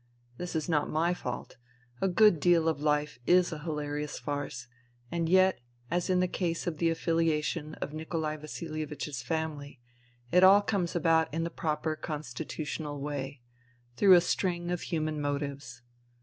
This is not my fault. A good deal of life is a hilarious farce, and yet, as in the case of the affiliation of Nikolai Vasihevich's family, it all comes about in the proper constitutional way, through a string of human motives.